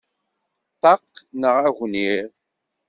Ṭṭaq neɣ agnir?